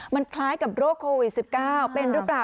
มันคล้ายกับโรคโควิด๑๙เป็นหรือเปล่า